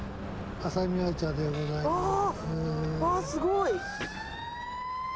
わあ、すごい！